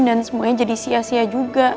dan semuanya jadi sia sia juga